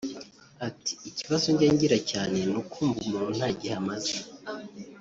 Ati “Ikibazo njya ngira cyane ni ukumva umuntu nta gihe amaze